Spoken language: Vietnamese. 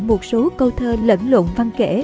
một số câu thơ lẫn lộn văn kể